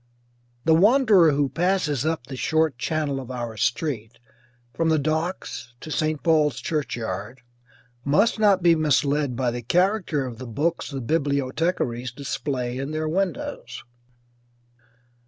The wanderer who passes up the short channel of our street, from the docks to St. Paul's churchyard, must not be misled by the character of the books the bibliothecaries display in their windows.